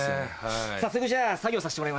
早速じゃあ作業させてもらいます。